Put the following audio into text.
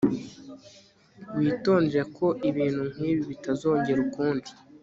Witondere ko ibintu nkibi bitazongera ukundi